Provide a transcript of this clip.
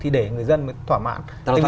để người dân thỏa mãn